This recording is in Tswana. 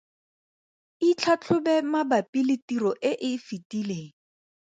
Itlhatlhobe mabapi le tiro e e fetileng.